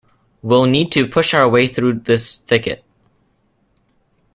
We'll need to push our way through this thicket.